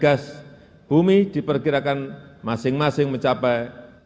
gas bumi diperkirakan masing masing mencapai